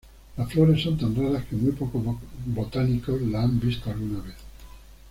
Las flores son tan raras que muy pocos botánicos las han visto alguna vez.